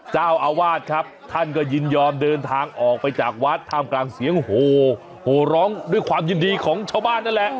เจ้าอาวาสครับท่านก็ยินยอมเดินทางออกไปจากวัดท่ามกลางเสียงโหร้องด้วยความยินดีของชาวบ้านนั่นแหละ